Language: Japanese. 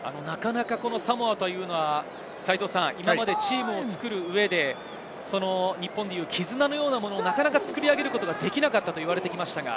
サモアというのは今までチームを作る上で、日本でいう絆のようなものを作り上げることができなかったと言われてきました。